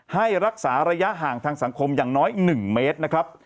ให้รักษาระยะห่างทางสังคมอย่างน้อย๑เมตรนะครับ